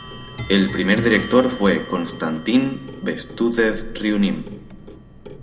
El primer director fue Konstantín Bestúzhev-Riumin.